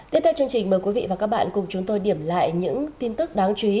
tiếp theo chương trình mời quý vị và các bạn cùng chúng tôi điểm lại những tin tức đáng chú ý